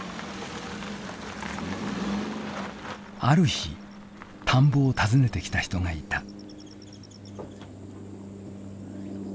ある日田んぼを訪ねてきた人がいた。